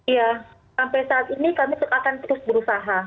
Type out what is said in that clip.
ya sampai saat ini kami akan terus berusaha